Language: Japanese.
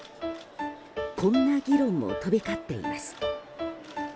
こんな議論も飛び交っています。